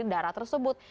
dari darah tersebut